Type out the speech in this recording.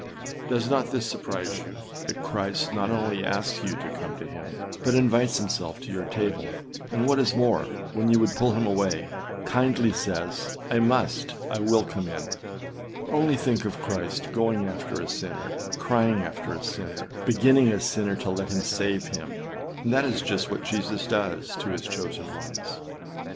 â Does not this surprise you, that Christ not only asks you to come to him, but invites himself to your table, and what is more, when you would put him away, kindly says, âI must, I will come in.â 329 Spurgeonâs Sermons Vol. II ClassicChristianLibrary.com Only think of Christ going after a sinner, crying after a sinner, beginning a sinner to let him save him; and that is just what Jesus does to his chosen ones.